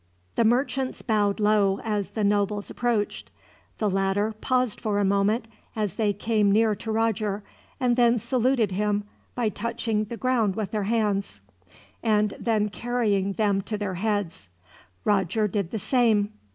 The merchants bowed low as the nobles approached. The latter paused for a moment as they came near to Roger, and then saluted him by touching the ground with their hands, and then carrying them to their heads. Roger did the same.